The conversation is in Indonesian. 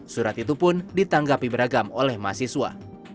surat itu pun ditanggapi beragam oleh mahasiswa